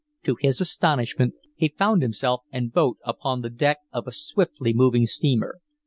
To his astonishment, he found himself and boat upon the deck of a swiftly moving steamer.